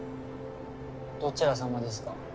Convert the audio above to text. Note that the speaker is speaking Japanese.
どちらさまですか？